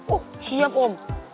oh siap om